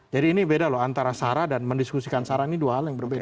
jadi ini beda loh antara sara dan mendiskusikan sara ini dua hal yang berbeda